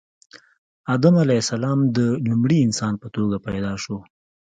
آدم علیه السلام د لومړي انسان په توګه پیدا شو